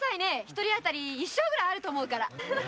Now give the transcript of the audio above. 一人当たり一升ぐらいあると思うわ。